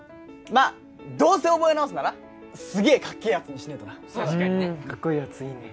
まあどうせ覚え直すならすげえかっけえやつにしねえとなうんかっこいいやついいね